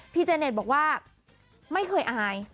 เจเน็ตบอกว่าไม่เคยอาย